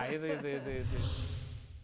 itu itu itu